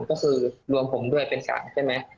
ก็คือรวมผมด้วยเป็น๓ใช่ไหม